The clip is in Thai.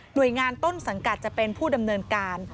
โดยงานต้นสังกัดจะเป็นผู้ดำเนินการ